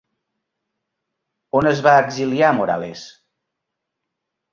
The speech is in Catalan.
On es va exiliar Morales?